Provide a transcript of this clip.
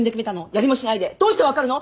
やりもしないでどうして分かるの！？